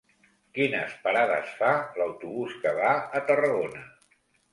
Quines parades fa l'autobús que va a Tarragona?